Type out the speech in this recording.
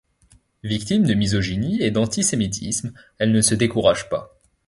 Victime de misogynie et d'antisémitisme, elle ne se décourage pas.